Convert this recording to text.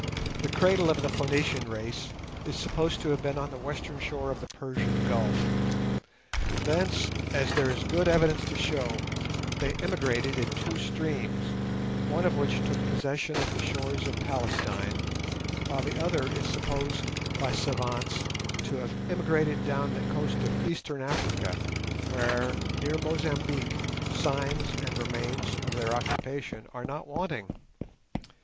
The cradle of the Phœnician race is supposed to have been on the western shore of the Persian Gulf. Thence, as there is good evidence to show, they emigrated in two streams, one of which took possession of the shores of Palestine, while the other is supposed by savants to have immigrated down the coast of Eastern Africa where, near Mozambique, signs and remains of their occupation are not wanting.